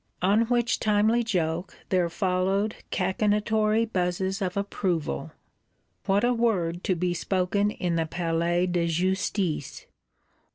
On which timely joke there follow cachinnatory buzzes of approval. What a word to be spoken in the Palais de Justice!